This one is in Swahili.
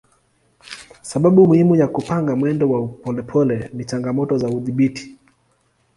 Sababu muhimu ya kupanga mwendo wa polepole ni changamoto za udhibiti.